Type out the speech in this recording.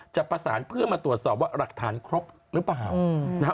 จะประสานเพื่อมาตรวจสอบว่าหลักฐานครบหรือเปล่านะฮะ